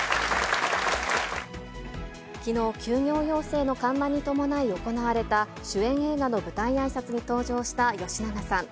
きのう、休業要請の緩和に伴い行われた、主演映画の舞台あいさつに登場した吉永さん。